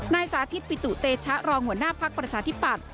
นายสาธิบปิตุเตชะรองหัวหน้าพักประชาธิบัติ